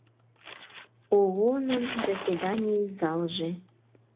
ООН-ын заседаний залже.